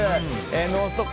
「ノンストップ！」